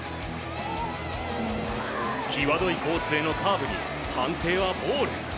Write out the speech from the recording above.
きわどいコースへのカーブに判定はボール。